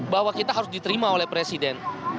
bahwa kita harus diterima oleh presiden